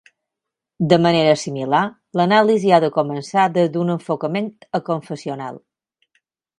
De manera similar, l'anàlisi ha de començar des d'un enfocament aconfessional.